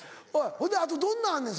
ほんであとどんなんあんねん？